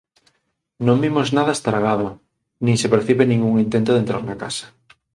Non vimos nada estragado nin se percibe ningún intento de entrar na casa.